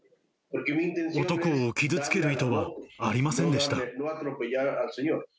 男を傷つける意図はありませんでした。